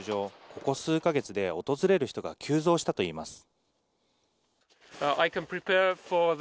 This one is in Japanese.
「ここ数か月で、訪れる人が急増したということです」